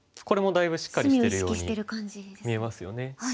これもだいぶしっかりしてるように見えますよね。